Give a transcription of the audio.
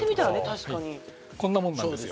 確かにこんなもんなんですよ